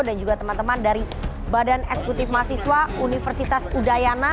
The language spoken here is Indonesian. dan juga teman teman dari badan esekutif mahasiswa universitas udayana